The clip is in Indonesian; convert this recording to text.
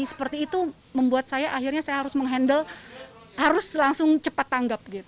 seperti itu membuat saya akhirnya saya harus menghandle harus langsung cepat tanggap